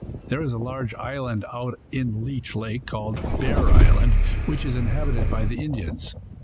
There is a large island out in Leech lake, called Bear island, which is inhabited by the Indians.